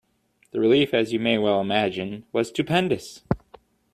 The relief, as you may well imagine, was stupendous.